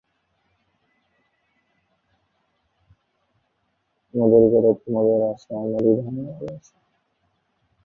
এইভাবে তাদেরকে অন্য ভারতীয়দের মতো সমান সাধারণ নাগরিক হিসাবে রূপান্তরিত করেছিল।